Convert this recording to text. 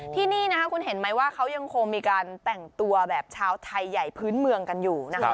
ที่นี่นะครับคุณเห็นไหมว่าเขายังคงมีการแต่งตัวแบบชาวไทยใหญ่พื้นเมืองกันอยู่นะคะ